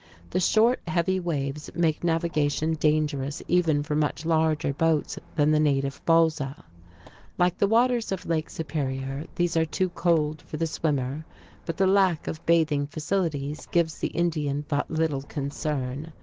The short, heavy waves make navigation dangerous even for much larger boats than the native balsa. [Illustration: CAPITOL BUILDING IN SUCRE] Like the waters of Lake Superior, these are too cold for the swimmer; but the lack of bathing facilities gives the Indian but little concern.